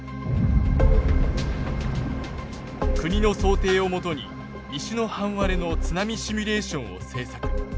国の想定をもとに西の半割れの津波シミュレーションを制作。